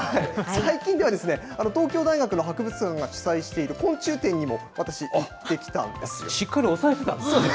最近では、東京大学の博物館が主催している昆虫展にも、私、しっかり押さえてたんですね。